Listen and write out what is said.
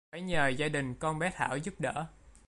phải nhờ gia đình con bé Thảo giúp đỡ